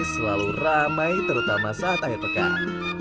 selalu ramai terutama saat air pekat